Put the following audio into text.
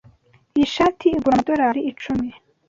Iyi shati igura amadorari icumi.